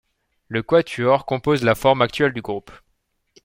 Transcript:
Le quatuor compose la forme actuelle du groupe.